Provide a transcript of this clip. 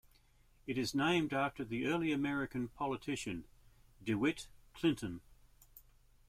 It is named after early American politician DeWitt Clinton.